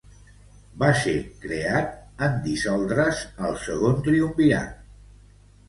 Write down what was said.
Va ser creat en dissoldre's el Segon Triumvirat.